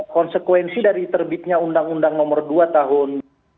konsekuensi dari terbitnya undang undang nomor dua tahun dua ribu dua puluh